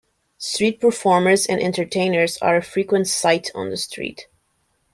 Street performers and entertainers are a frequent sight on the street.